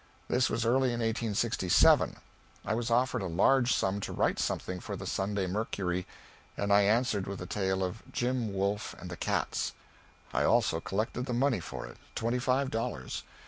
This was early in 1867. I was offered a large sum to write something for the "Sunday Mercury," and I answered with the tale of "Jim Wolf and the Cats." I also collected the money for it twenty five dollars.